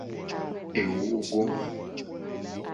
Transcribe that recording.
Ewogoa.